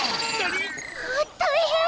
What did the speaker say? あったいへん！